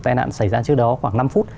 tai nạn xảy ra trước đó khoảng năm phút